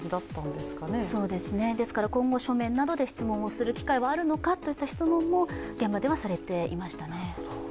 ですから今後書面などで質問をする機会はあるのかといった質問は現場でもされていましたね。